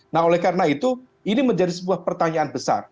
nah oleh karena itu ini menjadi sebuah pertanyaan besar